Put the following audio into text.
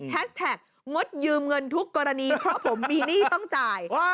แท็กงดยืมเงินทุกกรณีเพราะผมมีหนี้ต้องจ่าย